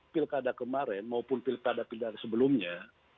kepada spesifik pilkadaan kemarin maupun pilkadaan pilkadaan sebelumnya